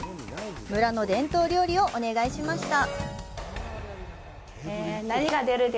村の伝統料理をお願いしました。